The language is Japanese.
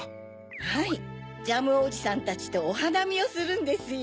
はいジャムおじさんたちとおはなみをするんですよ。